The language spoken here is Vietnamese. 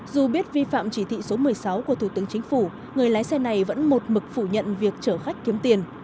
dù biết vi phạm chỉ thị số một mươi sáu của thủ tướng chính phủ người lái xe này vẫn một mực phủ nhận việc chở khách kiếm tiền